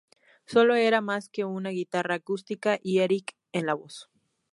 Solo era más que una guitarra acústica y Erick en la voz.